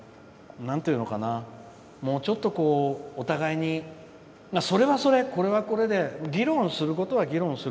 もうちょっとお互いにそれは、それこれは、これで議論することは議論する。